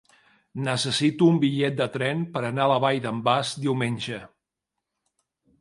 Necessito un bitllet de tren per anar a la Vall d'en Bas diumenge.